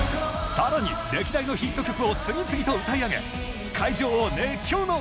更に歴代のヒット曲を次々と歌い上げ会場を熱狂の渦に！